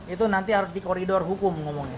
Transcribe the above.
itu nanti harus di koridor hukum ngomongnya